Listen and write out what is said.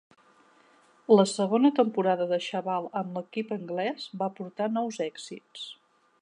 La segona temporada de Chabal amb l'equip anglès va portar nous èxits.